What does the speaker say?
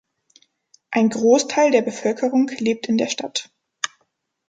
Ein Großteil der Bevölkerung lebt in der Stadt.